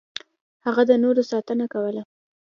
هغه د نورو ساتنه کوله.